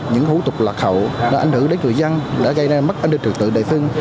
những hữu tục lạc hậu anh hữu đến người dân đã gây ra mất an ninh trực tự địa phương